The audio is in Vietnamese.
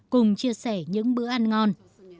cùng chia sẻ những bữa ăn ngon